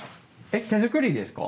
えっ手作りですか？